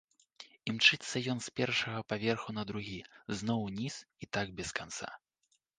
Імчыцца ён з першага паверху на другі, зноў уніз і так без канца.